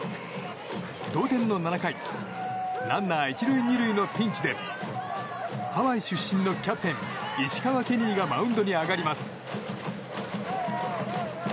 同点の７回ランナー１塁２塁のピンチでハワイ出身のキャプテン石川ケニーがマウンドに上がります。